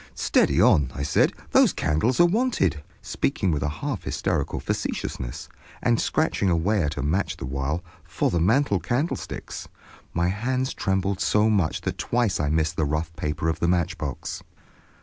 "Steady on!" I said, "those candles are wanted," speaking with a half hysterical facetiousness, and scratching away at a match the while, "for the mantel candlesticks." My hands trembled so much that twice I missed the rough paper of the matchbox.